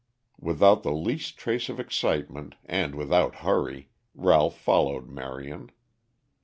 Without the least trace of excitement and without hurry, Ralph followed Marion.